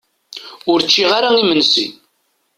Ur ččiɣ ara imensi.